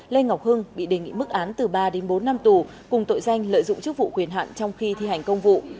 lê ngọc hưng bị đề nghị mức án từ ba đến bốn năm tù cùng tội danh lợi dụng chức vụ quyền hạn trong khi thi hành công vụ